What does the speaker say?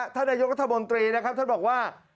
ท่านนายกรัฐมนตรีเขาบอกว่า